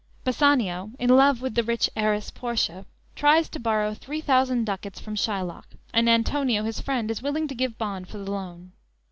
"_ Bassanio, in love with the rich heiress, Portia, tries to borrow three thousand ducats from Shylock, and Antonio, his friend, is willing to give bond for the loan.